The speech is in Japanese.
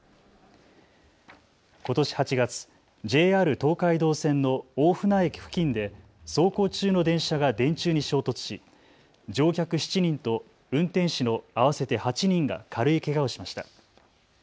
ことし８月、ＪＲ東海道線の大船駅付近で走行中の電車が電柱に衝突し乗客７人と運転士の合わせて８人が軽いけがをしました。